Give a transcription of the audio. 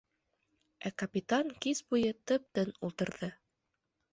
Ә капитан кис буйы тып-тын ултырҙы.